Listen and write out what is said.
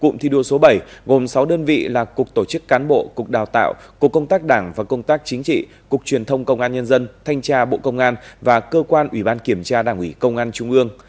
cụm thi đua số bảy gồm sáu đơn vị là cục tổ chức cán bộ cục đào tạo cục công tác đảng và công tác chính trị cục truyền thông công an nhân dân thanh tra bộ công an và cơ quan ủy ban kiểm tra đảng ủy công an trung ương